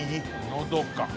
のどか。